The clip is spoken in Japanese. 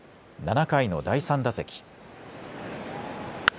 ７回の第３打席。